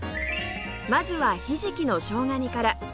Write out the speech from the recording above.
まずはひじきのしょうが煮から